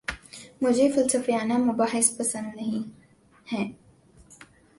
مجھے فلسفیانہ مباحث پسند نہیں ہیں